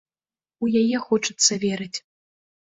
У яе хочацца верыць.